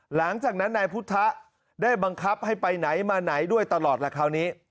หลังจากนั้นนายพุทธะได้บังคับให้ไปไหนมาไหนด้วยตลอดละคราวนี้